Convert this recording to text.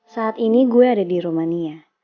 saat ini gue ada di rumania